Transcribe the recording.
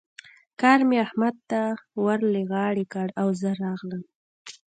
کار مې احمد ته ور له غاړې کړ او زه راغلم.